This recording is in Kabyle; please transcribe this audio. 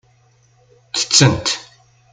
Ttettent.